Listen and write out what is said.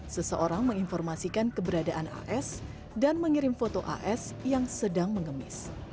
seseorang menginformasikan keberadaan as dan mengirim foto as yang sedang mengemis